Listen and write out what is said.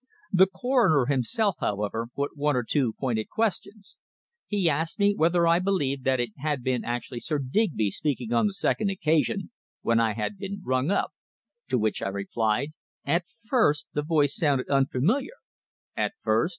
The coroner himself, however, put one or two pointed questions. He asked me whether I believed that it had actually been Sir Digby speaking on the second occasion, when I had been rung up, to which I replied: "At first, the voice sounded unfamiliar." "At first!